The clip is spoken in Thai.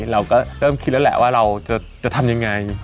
เราก็เริ่มคิดแล้วแหละว่าเราจะทำยังไง